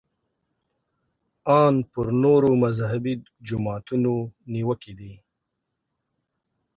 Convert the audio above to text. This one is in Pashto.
ان پر نورو مذهبي جماعتونو نیوکې دي.